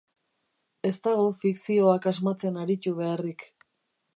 Ez dago fikzioak asmatzen aritu beharrik.